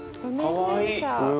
かわいい。